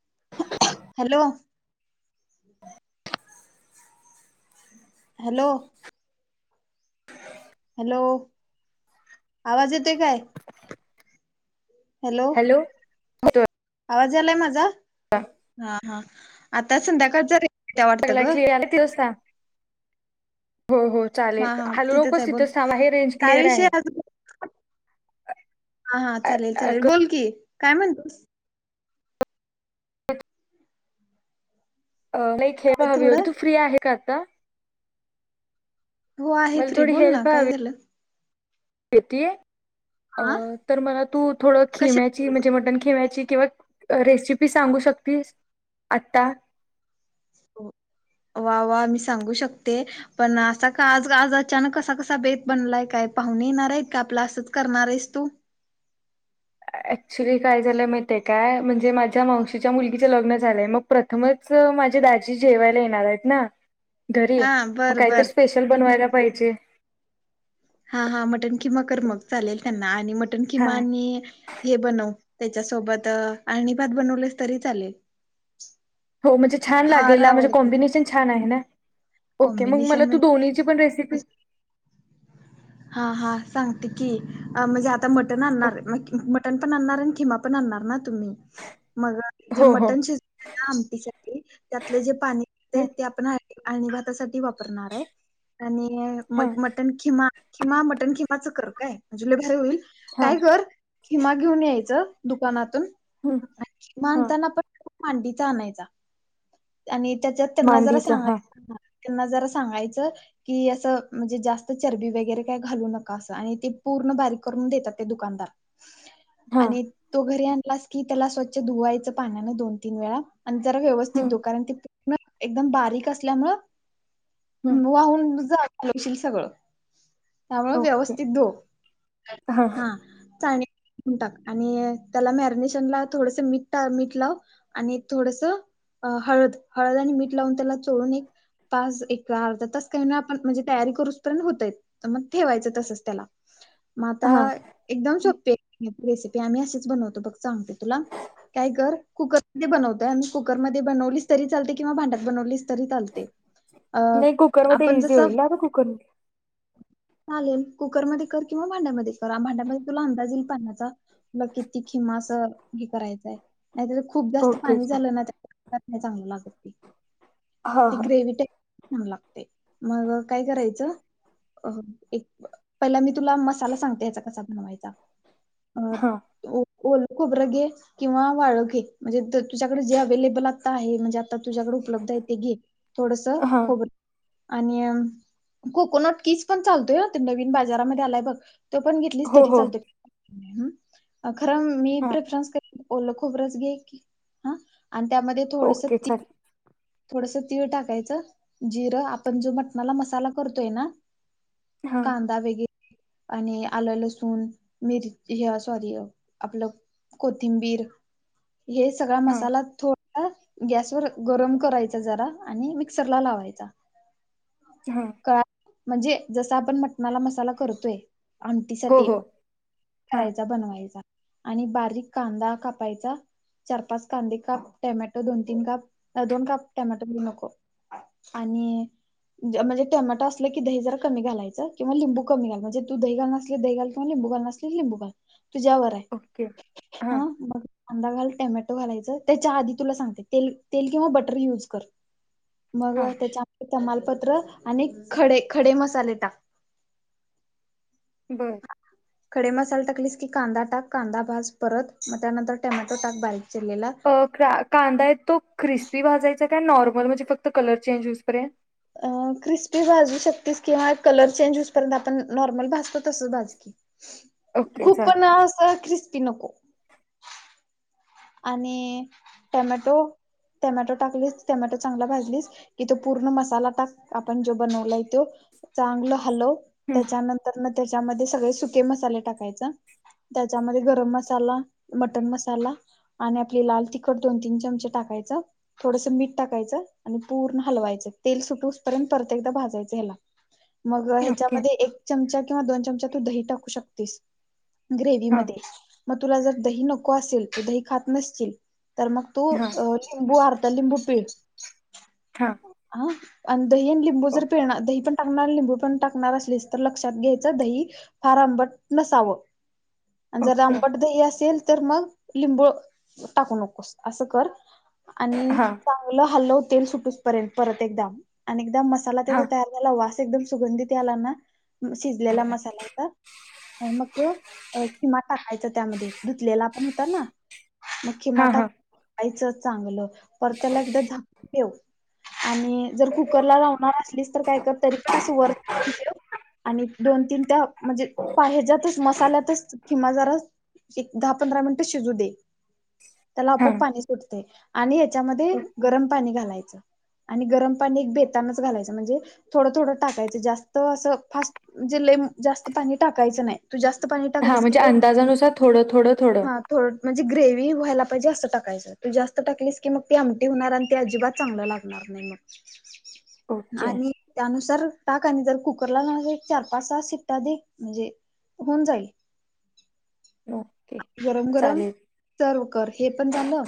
[unintelligible] Hello! [unintelligible] Hello! Hello आवाज येतोय काय? हॅलो! येतोय. आवाज यायलाय माझा? हा हा. आता संध्याकाळ जरी [unintelligible] हो हो चालेल हा हा हालू तिथंच नकोस आहे बोल तिथंचवा हे रेंज काय क्लिअर विषय आहे आज हा हा चालेल चालेल बोल की काय म्हणतीस? नाही खेळ काय हवी होती थोडं तू फ्री आहे का? काय? हो आहे फ्री बोल ना काय झालं उती अ हा तर मला तू थोड कशा खेम्याची म्हणजे मटन खेम्या. चींकेवत रेसिपी सांगू शकतियस आता. वा वा मी सांगू शकते पण असा का आजग आज अचानक कसा कसा बेत बनलाय काय पाहूने येणार आहे का आपला असंच करणार आहेस तू. अऍक्च्युली काय झालय माहिती आहे काय म्हणजे माझ्या मावशीच्या मुलगीच लग्न झालंय मग प्रथमच माझे दाजी जेवायला येणार आहेत ना. घरी हा आहे मग बर कायतर बर स्पेशल बनवायला पाहिजे हा हा मटन खिमा कर मग चालेल त्यांना मटन हा किमा आणि त्याच्यासोबत आळणीभात बनवलेस तरी चालेल. हो म्हणजे छान फार लागेल म्हणजे आवडते कॉम्बिनेशन छान आहे ना. ओके मग कॉम्बिनेशन मला तू म्हणजे दोन्हीची पण रेसिपी हा हा सांगते की म्हणजे आ आता मटन आणणार, मटन पण आणणार खिमा पण आणणार ना? तुम्ही मग जे हो हो मटण शिजतंय ना आमटी साठी त्यातलं जे पाणी हं, अळणी भातासाठी वापरणार आहे आणि हां मट मटन खिमा खिमा मटन खिमाच कर काय म्हणजे लई भारी होईल. हां काय कर? खिमा घेऊन यायचं दुकानातून हं, खिमा हां आणताना पण मांडीचा आणायचा. आणि त्याच्यात त्यांना जरा मांदीचा सांग हां त्यांना जरा सांगायचं की, असं म्हणजे जास्त चरबी वगैरे काय घालू नका असं आणि ते पूर्ण बारीक करून देतात ते दुकानदार. हां आणि तो घरी आण लास की त्याला स्वच्छ धुवायचे पाण्यानं दोन- तीन वेळा आणि जरा ती हं, दुकान एकदम बारीक असल्यामुळं हं, वाहून जात. घालवशील सगळं. त्यामुळं ओके व्यवस्थित धू हां हा चाळणी टाक आणि त्याला मॅरिनेशन ला थोडसं मीठ मीठ लाव आणि थोडसं हळद हळद आणि मीठ लावून त्याला चोडून एक पाच एक अर्धा तास काही आपण म्हणजे तयारी करूच पर्यंत होतय मग ठेवायचं तसच त्याला. मगं हां आता एकदम सोप रेसीपी आम्ही असच बनवतो बघ सांगते तुला काय कर कुकर मध्ये बनवतय कुकर मध्ये. बवलीस तरी चालते किवा भांड्यात बनवलीस. तरी चालते अ नाही कुकर मध्ये आपण इझी जसं होईल ना गं कुकर मध्ये. चालेल कुकरमध्ये कर किंवा भांड्यामध्ये कर भांड्यामध्ये तुला अंदाज येईल पाण्याचा तुला किती किमा अस हे करायचंय. नाही तर खूप जास्त ओके पाणी झालं ना त्या. [inaudible] हां ती हां ग्रेवी लागते मग काय करायचं अ एक पहिला मी तुला मसाला सांगते यांचा कसा बनवायचा. अ. हां ओल खोबरं घे किंवा वाळेल घे म्हणजे तुझकडे जे अवेलेबल अ त आहे म्हणजे आत तुझ्याकडे उपलब्ध आहे ते घे थोडस हां खोबर आणि कोकोनट कीस पण चालतोय ना ते नवीन बाजारामध्ये आलाय बघ तो पण घेतलीस हो तरी हो चालतो हम्म अग. खरं मी हां प्रेफरन्स कर ओलं खोबरच घे की ह आणि त्यामध्ये थोडस ओके ती चालेल थोडस तीळ टाकायचं जिरं आपण जो मटणाला मसाला करतोय ना हां कांदा वगैरे आणि आलं लसूण मिर सॉरी आपलं कोथिंबीर हे सगळा हां मसाला थो गॅस वर गरम करायचा जरा आणि मिक्सर ला लावायचा हा. कळा म्हणजे जस आपण मटणाला मसाला करतोय हो आमटीसाठी हो हां करायचा बनवायचा. आणि बारीक कांदा कापायचा चार पाच कांदे काप टमॅटो दोन तीन काप दोन काप टॅमॅटो दोन काप आणि म्हणजे टोमट असलं की दही जरा कमी घलायं किं लिंबू कमी घाल म्हणे तू दही घलसले दही घल किंवा लंबू घल नसले लिंबू घाल तुझ्यावर आहे ओके हां हा मग. कांदा घाल टोमॅटो घालायचं त्याच्या आधी तुला सांगते ते तेल किंवा बटर युज कर मग हां तेचा तमालपत्र आणि खडे खडे मसाले टाक. बरं. खडे मसाल टकलीस की कांदा टाक कांदा भज परत मग त्यानंतर टमॅटो टाक बारी अ क कांदा य तो क्रिस्पी भाजायचा काय नॉर्मल म्हणजे फक्त कलर चेंज हो इस पर्यंत अ क्रिस्पी भाजू शकतीस किंवा कलर चेंज होसपर्यंत आपण नॉर्मल भाजतो तसच भाज कि ओके खूप पण चालेल असं ख्रिस ती नको. आणि टमॅटो टमॅटो टाकलीस टमॅटो चांगला भाजली की तो पूर्ण मसाला टाक आपण जो बनवलाय तो चांगल हलव हं त्याच्यानंतर ना त्याच्यामध्ये सगळे सुके मसाले टाकायचे त्याच्यामध्ये गरम मसाला मटण मसाला आणि आपली लाल तिखट दोन तीन चमचे टाकायचं थोडसं मीठ टाकायचं आणि पूर्ण हलवायचं तेल सुटूपर्यंत परत एकदा भाजायचं ह्याला. मग ओके ह्याच्यामध्ये एक चमचा किंवा दोन चम तू दही टाकू शकतीस. ग्रेवी हां मध्ये म तुला जर दही नको असेल त दही खात नसशील तर मग तू हां अ लिंबू आरदा लिंबू पीळ. हा. उफ! आणू दही आणि लिंबू जर पिळणार दही पण टाकणार लिंबू पण टाकणार असलीस तर लक्षात घ्यायचं दही फार आंबट नसावं. आणि जर ओके आंबट दही असेल तर मग लिंबू टाकू नकोस. असं कर. आणि हां चांगलं हालव. तेल सुटूस पर्यंत परत एकदा आणि मसाला त्याचा हां तयार झाला वास त एकदम सुगंधीत याला ना शिजलेला मसाल्याचा आणी मक त्यो अ खिमा टाक. खायच त्यामध्ये धुतलेला पण होत ना मग खिमा हां टाक हां ऐक ज चांगलं पर त्याला एकदा झा ठेव. [inaudible] आणि जर कुकरला लावणार असलीस तर काय कर तरी पण असं वर तेन ठेव. आणि दोन, तीन त्या म्हणजे पाहीजे तस मसाल्यातच खिमा जरा एक, दहा, पंधरा मिनिट शिजू दे. त्याला हां आपोआप पाणी सुटते. आणि ते च्यामध्ये गरम पाणी घालायचं. आणि गरम पाणी बेतानच घालायचं म्हणजे थोडं थोडं टाकायचं जास्त असं फास म्हणजे लय जास्त पाणी टाकायचं नाही. तू जास्त पाणी हा टाकलीस की म्हणजे ते अंदाजानुसार थोडं, थोडं, थोडं. हा म्हणजे ग्रेव्ही व्हायला पाहिजे अस टायचं पन जास्त टाकलीस की मग ती आमटी होणार आणि ते अजिबात चांगलं लागणार नाही मग ओके आणि त्यानुसार टाका आणि जर कुकरला लावले चार पाच सहा शिट्ट्या दे म्हणजे होऊन जाईल. ओके गरम गरम चालेल तर कर हे पण झालं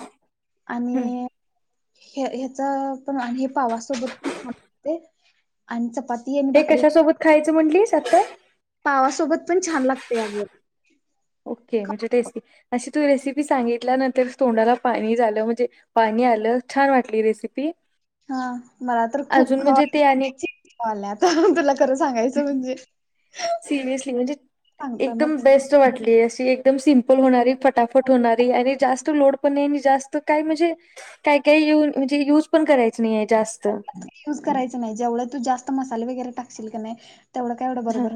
हं आणि हे ह्याच पण हे पावासोबत प पणदे आणि चपाती आणि हे भाकरी कशासोबत खायचं म्हंटलीस आता. पावासोबत पण छान लागते अगं ओके म्हणजे टेस्टी अ तू रेसिपी सांगितल्यानंतर तोंडाला पाणी झालं म्हणजे पाणी आलं छान वाटली रेसिपी. हा मला तर खूप अजून म्हणजे ते आणि खवाव आता तुला खरं सांगायचं म्हणजे. सिरियसली म्हणजे सांगताना एकदम बेस्ट वाटली. एकदम सिम्पल होणारी फटाफ होणारी आरे जास्त लोड पण नई जास्त काय म्हणजे काय काय यु म्हणजे युज पण करा. आ युज करायचं नाही. जेवढ तू जास्त मसाले वगैरे टाकशील कने तेवढं काय एवढं हा बरोबर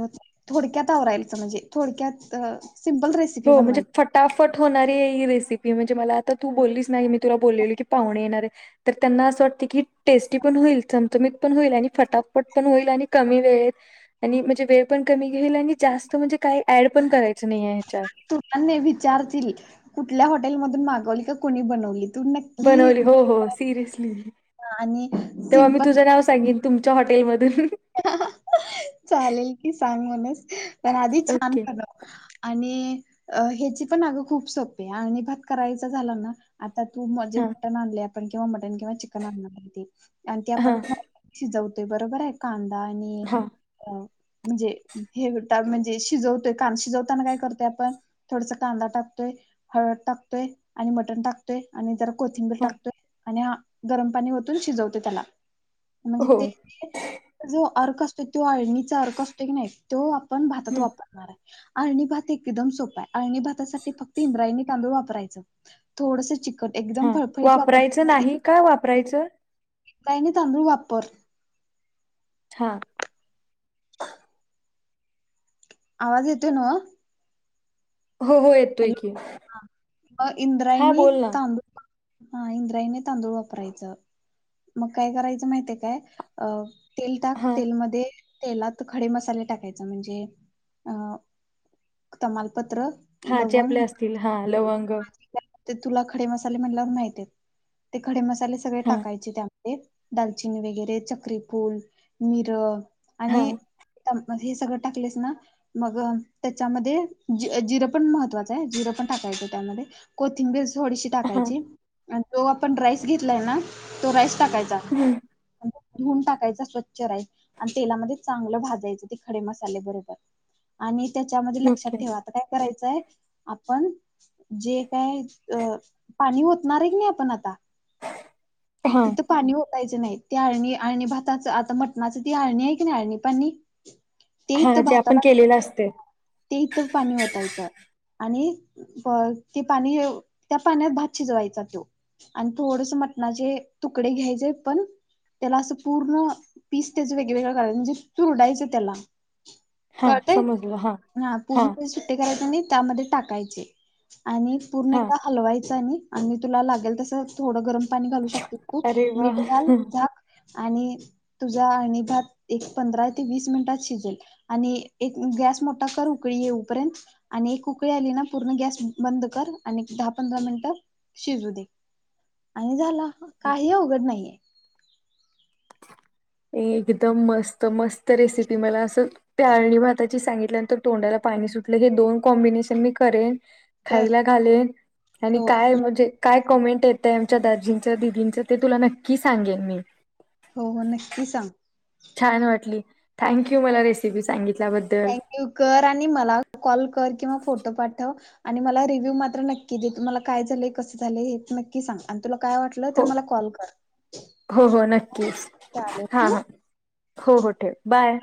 थोडक्यात आवरायलाचं म्हणजे. थोडक्यात सिम्पल रेसिपी हो म्हणजे बनवायची फटाफट होणारी हे रेसी रसिी म्हणजे मला तर तू बोललीस नाही. मी तुला बोललेल की पाहुणे येणार आहे. तर त्यांना असं वाटत की टेस्टी पण होईल. चमचमत पण होईल आणि फटाफट पण होईल. आणि कमी वेळेत आणि म्हणजे वेळ पण कमी घेईल आणि जास्त म्हणजे काही ऍड पण करायचं नाहीे. ह्याच्यात तुला नेवी विचारतील कुठल्या हॉटेल मधून मागवली तर कोणी बनवली. तू नक्की बनवली हो हो सिरियसली आणि तेव्हा मी सिम्पल तुझं नाव सांगिन. तुमच्या हॉटेलमधून ह चालेल की सांग म्हणस. [inaudible] तर आधी छान ओके [unintelligible] आणि ह्याची पण अग खूप सोपे आळणी भात करायचा झाला ना आता तू म्हजे हा मटण आणल्या पण जेव्हा मटन किंवा चिकन आणणार होती आणि ते हा आपण [unintelligible] शिजव बरोबर आहे कां? आणि हा म्हणजे हे गुडतात म्हणजे शिजवतोय का शिजवताना काय करतय आपण थोडस कांदा टाकतोय हळद टाकतोय आणि मटण टाकतोय आणि जर कोथिंबीर हा टाकतोय आणि हा गरम पाणी ओतून शिजवते त्याला म्हणजे हो ते जो अर कसते तो अळणीचा अर्क असतो की नाही तो पण भातात हं वापरणार आहे अळणी भात एकदम सोपा आहे अळणी भातासाठी फक्त इंद्रायणी तांदूळ वापरायचं थोडस चिक हा वापरायचं नाही का वापरायचं? इंद्रायनी तांदूळ वापर. हा. आवाज येतोय न्हव? हो हो येतोय की हा. हा इंद्रायणी बोल ना, तांदूळ हा इंद्रायणी तांदूळ वापरायचं मग काय करायचं माहिताय काय अ तेल टाक हा तेलमध्ये तेलात खडे मसाले टाकायचे म्हणजे अ तमाल हा जे आपले असतील हा लवंग ते तुला खडे म्हणल्यावर माहितीयेत ते खडे मसा त्याले सगळे हा टाकायचे त्यात. [unintelligible] दालचिनी वगैरे चक्रीफूल मिरं. हा आणि तम मग हे सगळं टाकलेस ना मग. त्याच्यामध्ये जि जिरं पण महत्त्वाचं आहे जिरं पण टाकायचं त्यामध्ये कोथिंबीर थोडीशी हा टाकायची. आन जो आपण राईस घेतलाय ना तो राईस टाकायचा. हं धुवून टाकायचा स्वच्छ राईस आणि तेलामध्ये चांगलं भाजायचं ते खडे मसाले, बरोबर आणि त्याच्या मजी लक्षात ओके ठेवा, आता काय करायचं. आपण जे काय अं, पाणी ओतणार आहे की नाही आपण आता, हा तिथं पाणी ओ यचं नाही. ते अळणी अळणी भाताचं, आता मटणाचं ते अळणी आहे की नाही, अळणी पाणी ते हा इथं जे आपण भाताला, केलेलं असते ते इथंच पाणी ओतायचं आणि ते पाणी, त्या पाण्यात भात शिजवायचा त्यो आणि थोडसं म टणाचे तुकडे घ्यायचे पण त्याला असं पूर्ण पीस त्याचे वेगळेवेगळं काढून म्हणजे चुरडायचं त्याला. हा कळतंय? समजलं हा पूर्ण पण सुट्टे करायचं नई. त्यामध्ये टाकायचे. आणि पूर्ण हा एकदा हलवायचं आणि, आणि तुला लागेल तसं थोडं गरम पाणी घालू शकते तू. अरे वा मीठ घाल झाक. तुझा अळणी भात एक पंधरा ते वीस मिनिटात शिजेल आणि गॅस मोठा कर, उकळी येवू पर्यंत. आणि एक उकळी आली ना पूर्ण गॅस बंद कर आणि एक दहा पंधरा मिनिटात शिजू दे. आणि झाला. काही अवघड नाहीये. एकदम मस्त मस्त रेसिपी मला असं, त्या अळणी भातात तू सांगितल्यानंतर तोंडाला पाणी सुटलं. हे दोन कॉम्बीनेशन मी करेन. कर खायला घालेन आणि हो काय म्हणजे काय कॉमेंट येतंय आमच्या दाजींचं दिदींचं ते तुला नक्की सांगेन मी. हो हो, नक्की सांग. छान वाटली. थँक्यू मला रेसिपी सांगितली. थँक यू कर आणि मला कॉल कर किंवा फोटो पाठव. आणि मला रिव्हू मात्र नक्की दे, मला काय झालंय कसं झाले हे नक्की सांग आणि तुला काय वाटलं तर हो मला कॉल कर. हो हो नक्कीच चालेल हां ठेवू? हां हो हो ठेव. बाय